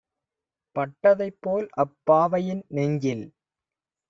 பட்டதைப் போல்அப் பாவையின் நெஞ்சில்